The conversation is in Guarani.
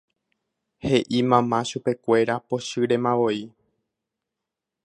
He'i mamá chupekuéra pochýremavoi.